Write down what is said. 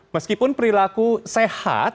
meskipun perilaku sehat